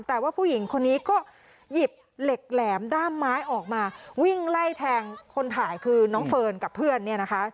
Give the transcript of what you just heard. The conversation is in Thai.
แต่ว่าผู้หญิงคนนี้ก็หยิบเหล็กแหลมด้ามไม้ออกมาวิ่งไล่แทงคนถ่ายคือน้องเฟิร์นกับเพื่อนเนี่ยนะคะ